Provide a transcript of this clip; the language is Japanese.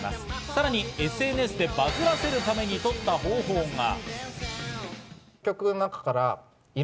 さらにＳＮＳでバズらせるために取った方法が。